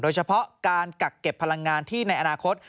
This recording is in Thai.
โดยเฉพาะการกักเก็บพลังงานที่ในอนาคต